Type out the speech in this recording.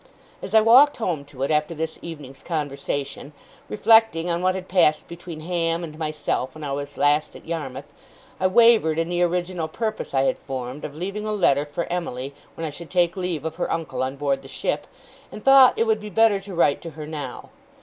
As I walked home to it, after this evening's conversation, reflecting on what had passed between Ham and myself when I was last at Yarmouth, I wavered in the original purpose I had formed, of leaving a letter for Emily when I should take leave of her uncle on board the ship, and thought it would be better to write to her now.